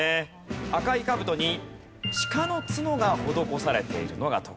赤い兜に鹿の角が施されているのが特徴です。